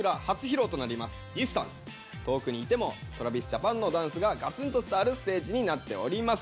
遠くにいてもＴｒａｖｉｓＪａｐａｎのダンスがガツンと伝わるステージになっております。